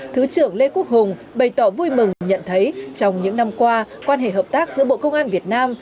thứ trưởng lê quốc hùng bày tỏ vui mừng nhận thấy trong những năm qua quan hệ hợp tác giữa bộ công an việt nam